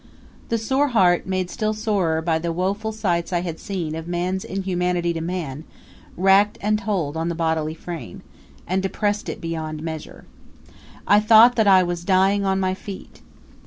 The sore heart made still sorer by the woeful sights I had seen of man's inhumanity to man racked and told on the bodily frame, and depressed it beyond measure. I thought that I was dying on my feet.